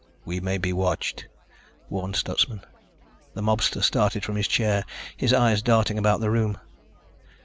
"We may be watched," warned Stutsman. The mobster started from his chair, his eyes darting about the room.